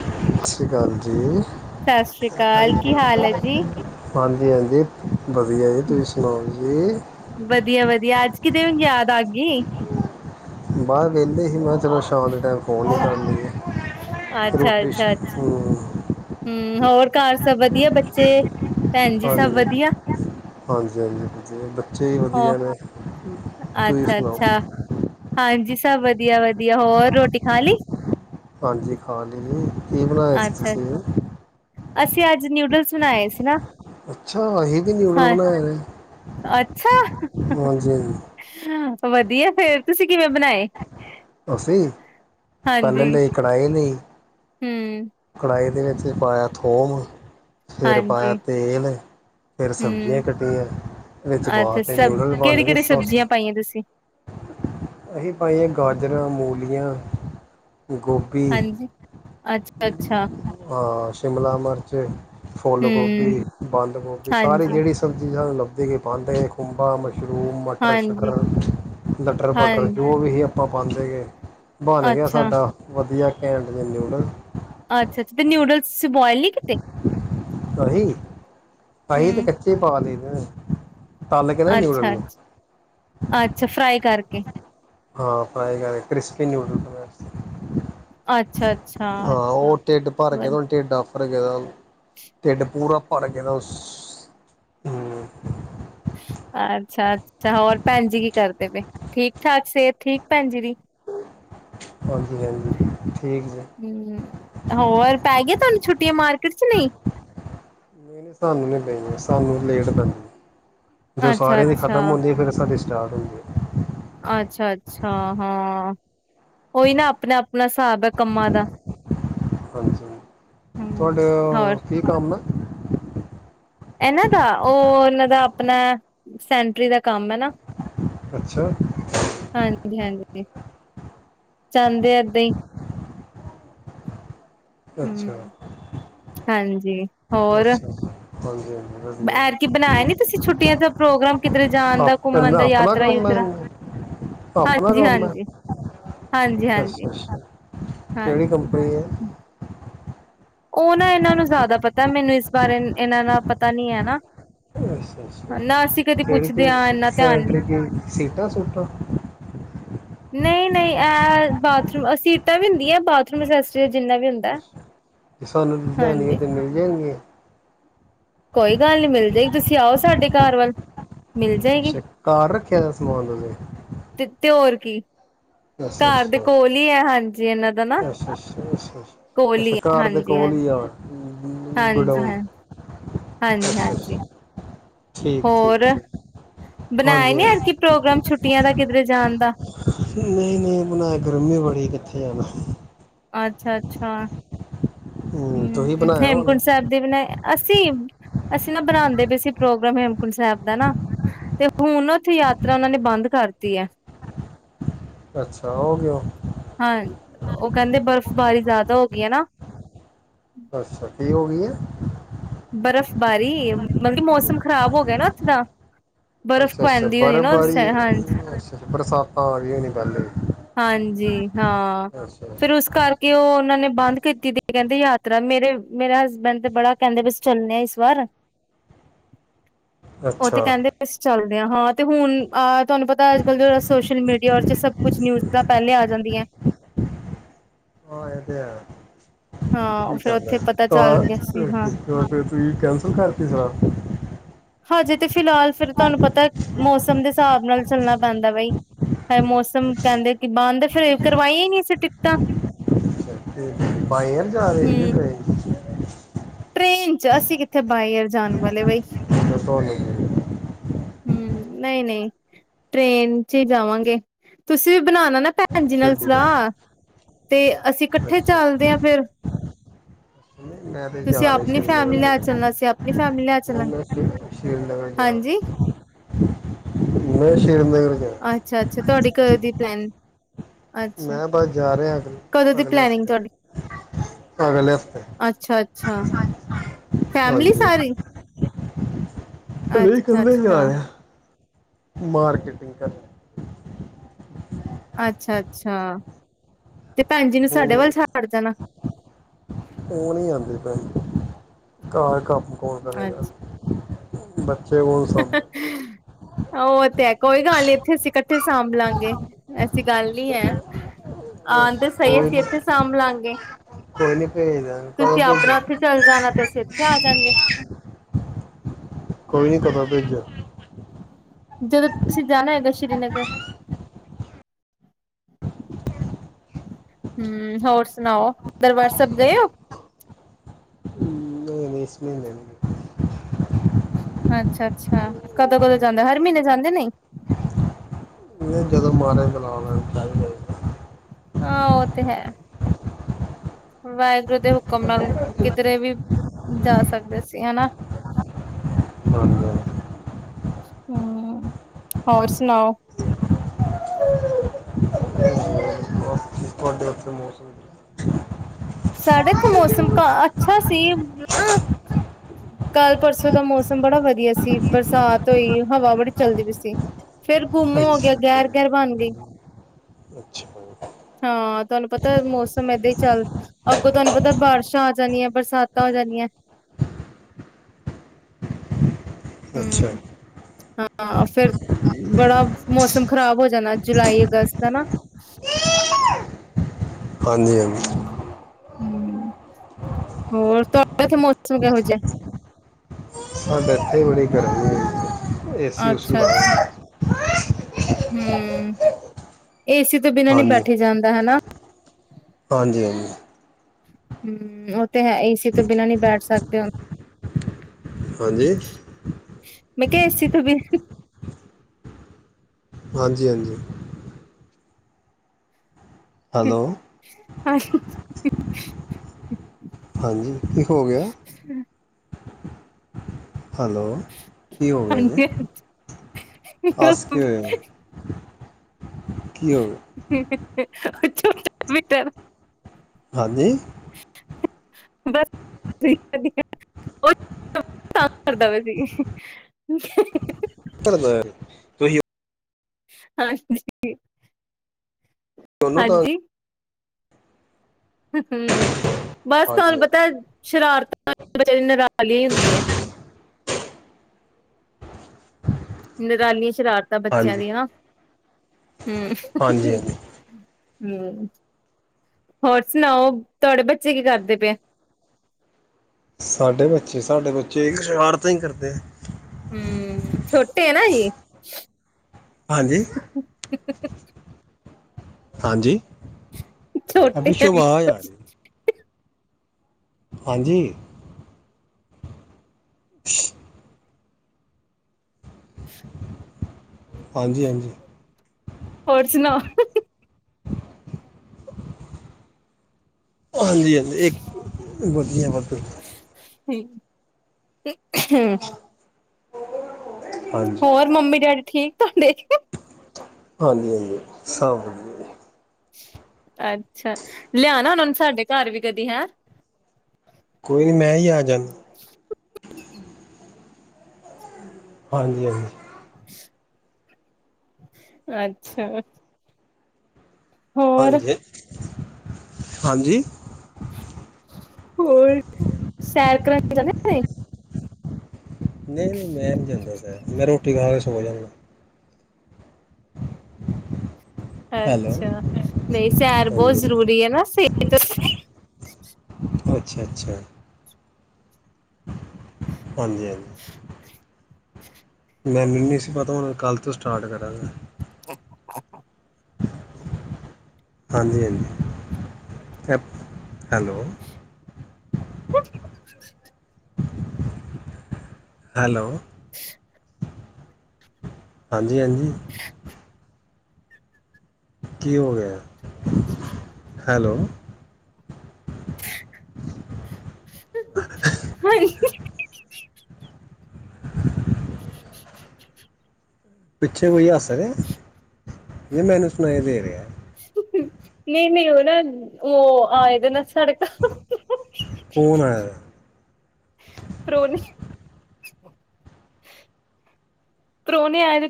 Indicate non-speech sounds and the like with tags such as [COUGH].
ਸਸ ਸ਼੍ਰੀ ਕਾਲ ਜੀ। ਸਤਿ ਸ੍ਰੀ ਅਕਾਲ ਹਾਂਜੀ ਕੀ ਹਾਲ ਹੈ ਜੀ? ਹਾਂਜੀ। ਵਧੀਆ ਜੀ, ਤੁਸੀਂ ਸੁਣਾਓ ਜੀ। ਵਧੀਆ ਵਧੀਆ ਅੱਜ ਕਿਤੇ [UNINTELLIGIBLE] ਯਾਦ ਆ ਗਈ। ਬਾਹਰ ਵੇਹਿੰਦੇ ਸੀ ਮੈਂ ਕਿਹਾ ਚਲੋ ਸ਼ਾਮ ਦੇ ਟੈਮ ਫੋਨ ਕਰ ਲਈਏ ਅੱਛਾ ਰੋਟੀ ਅੱਛਾ ਅੱਛਾ ਹੂੰ ਹੋਰ [UNINTELLIGIBLE] ਘਰ ਸਭ ਵਧੀਆ ਬੱਚੇ ਭੈਣ ਜੀ ਸਭ ਹਾਂਜੀ ਵਧੀਆ। ਹਾਂਜੀ ਹਾਂਜੀ। ਤੇ ਬੱਚੇ ਹੀ ਹੋ ਵਧੀਆ ਨੇ, ਤੁਸੀ ਅੱਛਾ ਸੁਣਾਓ? ਅੱਛਾ ਹਾਂਜੀ ਸਭ ਵਧੀਆ ਵਧੀਆ, ਹੋਰ ਰੋਟੀ ਖਾ ਲਈ। ਹਾਂਜੀ ਖਾ ਲਈ ਜੀ। ਕੀ ਬਨਾਯਾ ਸੀ ਅੱਛਾ ਤੁਸੀ? ਅਸੀਂ ਅੱਜ ਨਿਊਡਲਸ ਬਣਾਏ ਸੀ ਨਾ। ਅੱਛਾ, ਅਸੀ ਵੀ ਨਿਊਡਲ ਹਾਂ ਬਣਾਏ ਨੇ, ਅੱਛਾ ਹਾਂਜੀ ਹਾਂਜੀ। ਵਧੀਆ ਫੇਰ, ਤੁਸੀਂ ਕਿਵੇਂ ਬਣਾਏ? ਅਸੀ, ਪੱਹਿਲੇ ਹਾਂਜੀ ਲਈ ਕੜਾਹੀ ਲਈ। ਹੂੰ। ਇਹਦੇ ਵਿੱਚ ਫੇਰ ਪਾਇਆ ਥੋਮ, ਫੇਰ ਪਾਇਆ ਹਾਂਜੀ ਤੇਲ ਫੇਰ ਹੂੰ ਸਬਜ਼ੀਆਂ ਕੱਟੀਆਂ, ਇਹ ਪਾ ਅੱਛਾ ਤੇ ਸਭ ਨਿੂਡਲ ਕਿਹੜੀ ਬਨ ਗਏੇ ਕਿਹੜੀ ਸੋ। ਸਬਜ਼ੀਆਂ ਪਾਈਆਂ ਤੁਸੀਂ? ਅਸੀਂ ਭਾਈਏ ਗਾਜਰਾਂ ਮੂ ਹੁਲੀਆਂ ਗੋਭੀ, ਹਾਂਜੀ ਅੱਛਾ ਅੱਛਾ। ਹਾਂ ਸ਼ਿਮਲਾ ਮਿਰਚ ਫੁੱਲ ਹੂੰ ਗੋਭੀ, ਬੰਦ ਗੋਭੀ ਸਾਰੀ ਹਾਂਜੀ ਜਿਹੜੀ ਸਬਜ਼ੀ ਸਾਨੂੰ ਲ ਦੇ ਕੇ ਪਾਉਂਦੇ ਖੂ ਪਾ ਮਸ਼ਰੂਮ, ਮਟਰ- ਹਾਂਜੀ, ਸ਼ਟਰ, ਲਟਰ- ਪਟਰ ਹਾਂਜੀ, ਜੋ ਵੀ ਸੀ। ਆਪਾਂ ਪਾਂਦੇ ਗਏ। ਬਣ ਗਿਆ ਅੱਛਾ, ਸਾਡਾ, ਵਧੀਆ ਵਡ ਤਨੇ ਨੂੰ [UNINTELLIGIBLE] ਅੱਛਾ -ਅੱਛਾ ਤੇ ਨਿੂਡਲਸ, ਸੀਂ ਬੋਆਇਲ ਨੀ ਕਿਤੇ। ਰਹੀ। ਪਾਈ ਤੇ ਕੱਚੇ ਹੀ ਪਾ ਦਂਦੇ। ਹ ਅੱਛਾ-ਅੱਛਾ-ਅੱਛਾ ਫਰਾਈ ਕਰਕੇ ਹਾਂ, ਫਰਾਈ ਕਰਕੇ ਕ੍ਰਿਸਪੀ ਨੂਡਲ ਅੱਛਾ, ਅੱਛਾ। ਹਾਂ, ਉਹ ਢਿੱਡ ਭਰ ਗਿਆ। ਹੁਣ ਢਿੱਡ ਭਰ ਗਿਆ। ਢਿੱਡ ਪੂਰਾ ਭਰ ਗ ਹਮ। ਅੱਛਾ, ਅੱਛਾ, ਹੋਰ ਭੈਣ ਜੀ ਕੀ ਕਰਦੇ ਪਏ। ਠੀਕ -ਠਾਕ ਸਿਹਤ ਠੀਕ ਭੈਣ ਜੀ ਦੀ। ਹਾਂਜੀ ਹਾਂਜੀ ਠੀਕ ਜੀ ਹੋਰ ਪੈ ਗਿਆ ਤੁਹਾਨੂੰ ਛੁੱਟੀਆਂ ਮਾਰਕੀਟ ਚ ਨਹੀਂ? ਨਹੀਂ ਨਹੀਂ ਸਾਨੂੰ ਨਹੀਂ ਪਈਆਂ ਸਾਨੂੰ ਲੇਟ ਪਣ ਜੋ ਅੱਛਾ, ਸਾਰਿਆਂ ਦੀ ਖ਼ਤਮ ਅੱਛਾ, ਹੁੰਦੀ। ਫੇਰ ਸਾਡੇ [UNINTELLIGIBLE] ਅੱਛਾ-ਅੱਛਾ ਹਾਂ। ਉਹੀ ਨਾ ਆਪਣਾ-ਆਪਣਾ ਹਿਸਾਬ ਹੈ ਕੰਮਾਂ ਦਾ ਹਾਂਜੀ। ਹੂੰ, ਤੁਹਾਡੇ ਹੋਰ ਕੀ ਕੰਮ ਨਾ ਇਹਨਾਂ ਦਾ, ਉਹ ਇਹਨਾਂ ਦਾ ਆਪਣਾ ਸੈਂਟਰੀ ਦਾ ਕੰਮ ਹੈ ਨਾ। ਅੱਛਾ ਹਾਂਜੀ- ਹਾਂਜੀ। ਚਂਦੇ ਏਦਾਂ ਹੀ ਅੱਛਾ। ਹੂੰ, ਹਾਂਜੀ। ਜੀ ਹੋਰ? ਅੱਛਾ ਹਾਂਜੀ ਹਾਂਜੀ ਵਧੀਆ ਐਰ ਕਿ ਬਣਾਇਆ ਨੀ ਤੁਸੀਂ ਛੁੱਟੀਆਂ ਦਾ ਪ੍ਰੋਗਰਾਮ ਕਿਧਰੇ ਜਾਣ ਦਾ, ਘੁੰਮਣ ਆਪਣਾ ਦਾ, ਆਪਣਾ ਯਾਤਰਾ ਕੰਮ ਯੂਤਰਾ? ਹੈ ਆਪਣਾ ਕੰਮ ਹੈ ਹਾਂਜੀ-ਹਾਂਜੀ, ਹਾਂਜੀ-ਹਾਂਜੀ। ਅੱਛਾ ਅੱਛਾ ਕਿਹੜੀ ਕੰਪਨੀ ਹੈ? ਉਹ ਨਾ ਇਹਨਾਂ ਨੂੰ ਜ਼ਿਆਦਾ ਪਤਾ ਏ, ਮੈਨੂੰ ਇਸ ਬਾਰੇ ਇਨਾਂ ਨਾ ਪਤਾ ਨੀ ਹੈ ਨਾ ਨਾ ਅਸੀਂ ਅੱਛਾ-ਅੱਛਾ ਕਦੀ ਕਿਹੜੀ ਪੁੱਛਦੇ ਤੇ ਹਾਂ ਇੰਨਾ ਧਿਆਨ ਨੀ [UNINTELLIGIBLE] ਕੀ ਸੀਟਾਂ ਸੂਟਾਂ ਨਹੀਂ-ਨਹੀਂ, ਇਹ ਬਾਥਰੂਮ, ਸੀਟਾਂ ਵੀ ਹੁੰਦੀਆਂ, ਬਾਥਰੂਮ ਐਸੇਸਰੀ ਜਿੰਨਾ ਵੀ ਹੁੰਦਾ ਏ। ਸਾਨੂੰ ਦਾ [UNINTELLIGIBLE] ਮਿਲ ਜਾਏ। ਮੰਗੇ। ਕੋਈ ਗੱਲ ਨਹੀਂ, ਮਿਲ ਜਾਏਗੀ, ਤੁਸੀਂ ਆਓ ਸਾਡੇ ਘਰ ਵੱਲ। ਮਿਲ ਜਾਏਗੀ ਅੱਛਾ, ਘਰ ਰੱਖਿਆ ਦਾ ਸਮਾਨ ਤੁਸੀਂ? ਠੀਕ। ਅੱਛਾ ਘਰ ਦੇ ਅੱਛਾ ਕੋਲ ਹੀ ਹੈ ਹਾਂਜੀ। ਜੀ ਇਨ੍ਹਾਂ ਦਾ ਨਾ। ਅਛ ਅੱਛਾ, ਕੋਲ ਹੀ ਅੱਛਾ ਹੈ ਘਰ ਦੇ ਹਾਂਜੀ ਕੋਲ ਹਾਂਜੀ ਹੀ ਆ। ਹਾਂਜੀ ਗੋਡਾਊਨ ਹਾਂ। ਅੱਛਾ ਅੱਛਾ ਹਾਂਜੀ-ਹਾਂਜੀ। ਠੀਕ ਠੀਕ ਹੋਰ? ਠੀਕ ਬਣਾਇਆ ਹਾਂਜੀ ਨੀ ਐਰਕੀ ਹਾਂਜੀ ਪ੍ਰੋਗਰਾਮ ਛੁੱਟੀਆਂ ਦਾ ਕਿਧਰੇ ਜਾਣ ਦਾ? ਨਹੀਂ, ਨਹੀਂ ਬਣਾਇਆ ਗਰਮੀ ਬੜੀ, ਕਿੱਥੇ ਜਾਣਾ? ਅੱਛਾ-ਅੱਛਾ। ਹੂੰ ਤੁਸੀਂ ਹਮ ਬਣਾਇਆ ਹੋਣਾ ਹੇਮਕੁੰਟ ਸਾਹਿਬ ਦੇ ਬਣਾਇਆ। ਅਸੀਂ, ਅਸੀਂ ਨਾ ਬਣਾਉਂਦੇ ਬਏ ਸੀ ਪ੍ਰੋਗਰਾਮ ਹੇਮਕੁੰਟ ਸਾਹਿਬ ਦਾ ਨਾ, ਤੇ ਹੁਣ ਉੱਥੇ ਯਾਤਰਾ ਉਹਨਾਂ ਨੇ ਬੰਦ ਕਰਤੀ ਹੈ। ਅੱਛਾ ਓ ਕਿਓ? ਦੌ ਹੋ ਗਈਆਂ ਨਾ ਅੱਛਾ ਕੀ ਹੋ ਗਈ ਏ? [INAUDIBLE] ਬਰਫ਼ ਬਾਰੀ, ਮਤਲਬ ਕਿ ਮੌਸਮ ਖ਼ਰਾਬ ਹੋ ਗਿਆ ਨਾ ਉੱਥੇ ਦਾ, ਬਰਫ਼ ਅੱਛਾ ਅੱਛਾ ਪੈਂਦੀ ਹੋਣੀ ਨਾ ਉਸ ਬਰਫ਼ਬਾਰੀ ਸੇਡ, ਹਾਂਜ, ਅੱਛਾ ਬਰਸਾਤਾਂ ਆ ਗਈਆਂ ਹੋਣੀ ਪਹਿਲੇ ਹਾਂਜੀ ਹਾਂ ਅੱਛਾ ਫਿਰ ਉਸ ਕਰਕੇ ਉਹ ਉਹਨਾਂ ਨੇ ਬੰਦ ਕੀਤੀ ਦੀ ਕਹਿੰਦੇ ਯਾਤਰਾ ਮੇਰੇ-ਮੇਰੇ ਹਸਬੈਂਡ ਤੇ ਬੜਾ ਕਹਿੰਦੇ ਬਏ ਸੀ ਚੱਲਣੇ ਆ ਇਸ ਵਾਰ। ਉਹ ਤੇ ਅੱਛਾ ਅੱਛਾ ਕਹਿੰਦੇ ਬਏ ਸੀ ਚੱਲ। ਨੇਆ, ਹਾਂ ਤੇ ਹੁਣ ਆਹ ਤੁਹਾਨੂੰ ਪਤਾ ਅੱਜ ਕੱਲ ਜਿਹੜਾ ਸੋਸ਼ਲ ਮੀਡੀਆ ਓਦੇ ਚ ਸਭ ਕੁਝ ਨਿਊਜ ਤਾਂ ਪਹਿਲੇ ਆ ਜਾਂਦੀਆਂ ਏ। ਹਾਂ ਇਹ ਤੇ ਹੈ ਏ। ਕੀ ਫਿਰ ਕਰਨਾ, ਉੱਥੇ ਪਤਾ ਚੱਲ ਤਾਂ ਗਿਆ ਸੀ ਹਾਂ ਫਿਰ ਤੁਸੀਂ ਕੈਂਸਲ ਕਰਤੀ ਸਲਾਅ। ਹਜੇ ਤੇ ਫਿਲਹਾਲ ਫੇਰ ਤੁਆਨੂੰ ਪਤਾ ਮੌਸਮ ਦੇ ਹਿਸਾਬ ਨਾਲ ਚੱਲਣਾ ਪੈਂਦਾ ਬਈ ਫ ਮੌਸਮ ਕਹਿੰਦੇ ਅੱਛਾ ਕਿ ਬੰਦ ਫਿਰ ਕਰਵਾਈਆਂ ਨਈਂ ਅ ਫਿਰ ਟਿਕਟਾਂ। ਤੇ ਬਾਈ ਏਅਰ ਜਾ ਰੈ ਹੀ ਹਮ ਗਏ ਨੀਂ। [UNINTELLIGIBLE] ਟ੍ਰੇਨ ਚ ਅਸੀਂ ਕਿੱਥੇ ਬਾਏ ਏਅਰ ਜਾਣ ਵਾਲੇ ਬਈ। [INAUDIBLE] ਹਂ, ਨਈਂ ਨਈਂ ਟ੍ਰੇਨ ਚ ਹੀ ਜਾਵਾਂਗੇ ਤੁਸੀਂ ਵੀ ਬਣਾਣਾ ਨਾ ਭੈਣ ਜੀ ਨਾਲ ਗੱਡੀ ਤੇ ਸਲਾਹ ਤੇ ਅਸੀਂ ਇਕੱਠੇ ਅੱਛਾ ਚੱਲਦੇ ਹਾਂ ਫਿਰ ਨਹੀਂ ਮੈਂ ਤੇ ਤੁਸੀਂ ਜਾ ਰਿਹਾ ਆਪਣੀ ਸ਼੍ਰੀਨਗਰ ਫੈਮਲੀ ਲੈ ਜਾਣਾ ਚੱਲਣਾ ਅਸੀਂ ਆਪਣੀ ਫੈਮਿਲੀ ਲੈ ਚਲਾਂ। ਨਹੀਂ ਮੈਂ ਸ਼੍ਰੀ ਸ਼੍ਰੀਨਗਰ ਹਾਂਜੀ। ਜਾਣਾ [INAUDIBLE] ਅੱਛਾ ਅੱਛਾ ਤੁਹਾਡੀ ਘਰ ਦੀ ਪਲੈਨ। ਅੱਛਾ, ਮੈਂ ਬਸ ਜਾ ਰਿਹੇ ਅਗਲੇ ਕਦੋਂ ਦੀ ਅਗਲੇ ਪਲੈਨਿੰਗ ਹਫ਼ਤੇ ਤੁਹਾਡੀ? ਅਗਲੇ ਹਫ਼ਤੇ। [UNINTELLIGIBLE] ਫੈਮਲੀ ਸਾਰੀ। ਵਹੀ ਕਲੇ ਜਾ ਅੱਛਾ-ਅੱਛਾ, ਰਿ ਮਾਰਕੀਟਿੰਗ ਕਰਨ ਅੱਛਾ ਅੱਛਾ। ਤੇ ਭੈਣ ਜੀ ਨੂੰ ਸਾਡੇ ਵੱਲ ਹੁਣ ਛੜ ਜਾਣਾ। ਉਹ ਨੀਂ ਆਂਦੇ ਪਾਈ ਘਰ ਕੰਮ ਕੌਣ ਕਰੇਗਾ। ਬੱਚੇ ਕੋਲ ਸਾਂਬੇ ਅੱਛਾ। ਗਾ ਉਹ ਤੇ ਹੈ ਕੋਈ ਗੱਲ ਨ੍ਹੀਂ ਇੱਥੇ ਅਸੀਂ ਇਕੱਠੇ ਸਾਂਭ ਲਾਂਗੇ, ਐਸੀ ਗੱਲ ਨੀਂ ਹੈ। ਹਾਂ ਤੇ ਸਹੀ ਅਸੀਂ ਇੱਥੇ ਸਾਂਭ ਲਾਂਗੇ ਤੁਸੀਂ ਆਪਣਾ ਉੱਥੇ ਚੱਲ ਜਾਣਾ ਤੇ ਅਸੀਂ ਇੱਥੇ ਆ ਜਾ ਗੇਂ। ਕਦੋ ਭੇਜਿਆ? ਜਦੋਂ ਤੁਸੀਂ ਜਾਣਾ ਹੋਏਗਾ ਸ੍ਰੀਨਗਰ, ਹਮ ਹੋਰ ਸੁਣਾਓ। ਦਰਬਾਰ ਸਾਹਿਬ ਗਏ ਓ? ਨ੍ਹੀਂ ਇਸ ਮੀਨੇ ਨਈਂ ਅੱਛਾ ਅੱਛਾ ਕਦੋਂ ਕਦੋਂ ਜਾਂਦੇ ਹਰ ਮਹੀਨੇ ਜਾਂਦੇ, ਨਈਂ? ਇਹ ਜਦੋਂ ਮਹਾਰਾਜਾ ਬੁਲਾ ਲੈਣ [INAUDIBLE] ਹਾਂ ਉਹ ਤੇ ਹੈ ਵਾਹਿਗੁਰੂ ਦੇ ਹੁਕਮ ਨਾਲ ਕਿਧਰੇ ਵੀ ਜਾ ਸਕਦੇ ਸੀ ਹੈ ਨਾ। ਹਾਂ ਜੀ ਹਂ ਹੋਰ ਸੁਣਾਓ? ਤੁਆਡੇ ਉਥੇ ਮੌਸਮ ਸਾਡੇ ਇੱਥੇ ਮੌਸਮ ਕ ਅੱਛਾ ਸੀ ਹਨ ਕੱਲ ਪਰਸੋਂ ਦਾ ਮੌਸਮ ਬੜਾ ਵਧੀਆ ਸੀ, ਬਰਸਾਤ ਹੋਈ ਹਵਾ ਬੜੀ ਚੱਲਦੀ ਪਈ ਸੀ ਫੇਰ ਗੁੰਮ ਹੋ ਗਿਆ ਗਹਿਰ ਗਹਿਰ ਬਣ ਗਈ। ਅੱਛਾ ਹਾਂ, ਤੁਆਨੂੰ ਪਤਾ ਮੌਸਮ ਏਦਾਂ ਹੀ ਚੱਲ ਅੱਗੋਂ ਤੁਆਨੂੰ ਪਤਾ ਬਾਰਸ਼ਾਂ ਆ ਜਾਣੀਆਂ ਬਰਸਾਤਾਂ ਆ ਜਾਦੀਆਂ। ਅੱਛਾ ਹਾਂ ਫੇਰ ਬੜਾ ਮੌਸਮ ਖਰਾਬ ਹੋ ਜਾਣਾ ਜੁਲਾਈ ਅਗਸਤ ਹੈ ਨਾ ਹਾਂਜੀ ਹਾਂਜੀ ਹਮ ਹੋਰ ਤੁਹਾਡੇ ਇਥੇ ਮੌਸਮ ਕਿਹੋ ਜਿਹਾ ਅੱਜ ਇੱਥੇ ਵੀ ਬੜੀ ਗਰਮੀ ਹੈਗੀ ਹੈ ਏਸੀ ਉਸੀ ਲਾਏ ਆ ਹਮ ਐਸੀ ਤੋਂ ਬਿਨਾ ਨਹੀਂ ਹਾਂਜੀ ਬੈਠੇ ਜਾਂਦਾ ਹਨਾ ਹਾਂਜੀ ਹਾਂਜੀ ਹਮ ਉਹ ਤੇ ਹੈ ਏਸੀ ਤੋਂ ਬਿਨਾ ਨਹੀਂ ਬੈਠ ਸਕਦੇ ਹਾਂਜੀ ਮੈਂ ਕਿਹਾ ਏਸੀ ਤੋਂ ਬਿਨਾਂ ਹਾਂਜੀ ਹਾਂਜੀ ਹੈਲੋ ਅ [UNINTELLIGIBLE] [UNINTELLIGIBLE] ਹਾਂਜੀ ਕੀ ਹੋ ਗਿਆ [UNINTELLIGIBLE] ਹੈਲੋ ਕੀ ਹੋ ਗਿਆਏ ਜੀ ਹਾਂਜੀ ਹੱਸ ਕਿਉਂ ਰਹੇ ਹੋ ਗਿਆ [UNINTELLIGIBLE] ਮਿੱਟਰ ਹਾਂਜੀ ਬਸ ਉਹ ਕੰਮ ਕਰਦਾ ਪਿਆ ਤੁਸੀਂ ਸੀ ਹਾਂ ਜੀ ਉਹਨੂੰ ਤਾਂ ਹਾਂਜੀ ਹ ਹਮ ਬਸ ਤੁਹਾਨੂੰ ਹਾਂਜੀ ਪਤਾ ਸ਼ਰਾਰਤ ਨਿਰਾਲੀ ਹੁੰਦੀ ਹੈ ਨਿਰਾਨੀ ਸ਼ਰਾਰਤਾਂ ਬੱਚਿਆਂ ਹਾਂਜੀ ਦੀਆਂ ਹੁ ਹਮ ਹਾਂਜੀ ਹਾਂਜੀ ਹੁ ਹਮ ਔਰ ਸੁਣਾਓ ਤੁਹਾਡੇ ਬੱਚੇ ਕੀ ਕਰਦੇ ਪਏ ਆ ਸਾਡੇ ਬੱਚੇ ਸਾਡੇ ਬੱਚੇ ਵੀ ਸ਼ਰਾਰਤਾਂ ਹੀ ਕਰਦੇ ਪਏ ਹਮ ਛੋਟੇ ਆ ਨਾ ਜੀ ਹਾਂਜੀ ਮੁ ਮ [UNINTELLIGIBLE] ਹਾਂਜੀ ਛੋਟੇ ਆ ਪਿੱਛੋਂ ਨਾ ਜੀ ਆਵਾਜ਼ ਰਹੀ ਹੁ ਹੁ ਹਾਂਜੀ ਛ ਹਾਂਜੀ ਹਾਂਜੀ ਹੌਰ ਸੁਣਾਓ ਹਾਂਜੀ ਹਾਂਜੀ ਵਧਿਆ ਵਾਧਿਆ ਹਮ ਹਹ ਹਾਂਜੀ ਹੋਰ ਮੰਮੀ ਡੈਡੀ ਥੀਕ ਦੇਖਿਓ [UNINTELLIGIBLE] ਹਾਂਜੀ ਹਾਂਜੀ ਸਭ ਵਧਿਆ ਅੱਛਾ ਲਿਆਣਾ ਉਹਨਾਂ ਨੂੰ ਸਾਡੇ ਘਰ ਵੀ ਕਦੀ ਹੈ ਕੋਈ ਮੈਂ ਹੀ ਆ ਜਾ ਨਾ ਹਾਂਜੀ ਹਾਂਜੀ ਅੱਛਾ ਹੋਰ ਹਾਂਜੀ ਹਾਂਜੀ ਹੋਰ ਸੈਰ ਕਰਨ ਚਲੇ ਗਏ,? ਨਹੀਂ ਨਹੀਂ ਮੈਂ ਨਹੀਂ ਜਾਂਦਾ ਸਰ ਮੈਂ ਰੋਟੀ ਖਾ ਕੇ ਸੋ ਜਾ ਨਾ ਹੈਲੋ ਅੱਛਾ ਨਹੀਂ ਸੈਰ ਬਹੁਤ ਹਾਂਜੀ ਜਰੂਰੀ ਹ ਨਾ ਸਿਹਤ ਅੱਛਾ ਅੱਛਾ ਹਾਂਜੀ ਹਾਂਜੀ ਮੈਂਨੂੰ ਨਹੀਂ ਸੀ ਪਤਾ ਹੁਣ ਕੱਲ ਤੋਂ ਸਟਾਰਟ ਕਰਾਂਗਾ [UNINTELLIGIBLE] ਹਾਂਜੀ ਹਾਂਜੀ ਹੈਲੋ ਹੈਲੋ [UNINTELLIGIBLE] ਹੈਲੋ ਹਾਂਜੀ ਹਾਂਜੀ ਕੀ ਹੋ ਗਿਆ ਹੈਲੋ ਹਾਏ ਪਿੱਛੇ ਕੋਈ ਹੱਸ ਰਹੇ ਨਹੀ ਮੈਨੂੰ ਸੁਣਾਈ ਦੇ ਰਿਹਾ ਨਹੀਂ ਨਹੀਂ ਉਹ ਨਾ ਅਏ ਦੇ ਨਾ ਸਾਡੇ ਘਰ ਕੌਣ ਆਇਆ ਏ ਪਰੌਣੇ ਪ੍ਰੁਣੇ ਆਏ ਦੇ